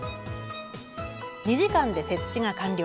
２時間で設置が完了。